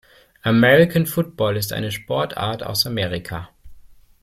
American Football ist eine Sportart aus Amerika.